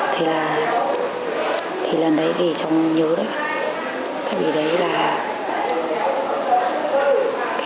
thì lần đấy thì cháu nhớ đấy tại vì đấy là hồi đấy cháu chưa biết gì chưa hiểu tại sao lại như thế